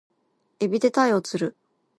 海老で鯛を釣る